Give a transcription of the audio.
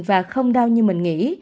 và không đau như mình nghĩ